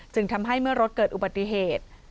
ทำให้เมื่อรถเกิดอุบัติเหตุ